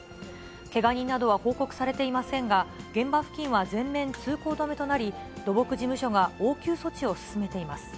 けが人などは報告されていませんが、現場付近は全面通行止めとなり、土木事務所が応急措置を進めています。